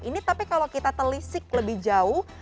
ini tapi kalau kita telisik lebih jauh